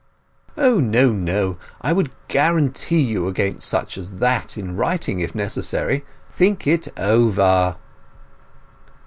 "O no—no. I would guarantee you against such as that in writing, if necessary. Think it over."